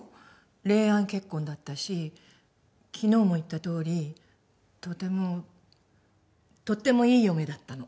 恋愛結婚だったし昨日も言ったとおりとてもとってもいい嫁だったの。